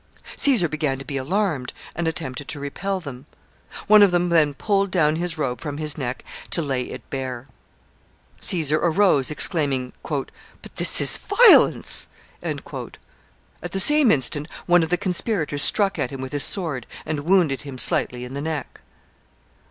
Caesar began to be alarmed, and attempted to repel them. One of them then pulled down his robe from his neck to lay it bare. Caesar arose, exclaiming, "But this is violence." At the same instant, one of the conspirators struck at him with his sword, and wounded him slightly in the neck.